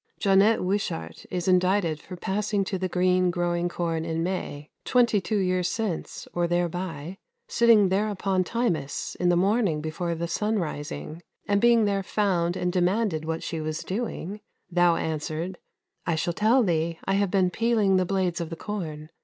Johnnet Wischert is "indicted for passing to the green growing corn in May, twenty two years since or thereby, sitting thereupon tymous in the morning before the sun rising, and being there found and demanded what she was doing, thou answered, I shall tell thee; I have been peeling the blades of the corn.